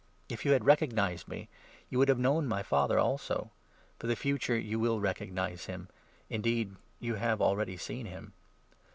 If you 7 had recognized me, you would have known my Father also ; for the future you will recognize him, indeed you have already seen him."